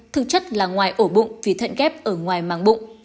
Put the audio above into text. thực chất là ngoài ổ bụng vì thận ghép ở ngoài màng bụng